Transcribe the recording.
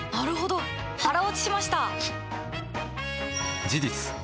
腹落ちしました！